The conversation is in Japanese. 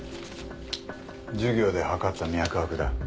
授業で測った脈拍だ。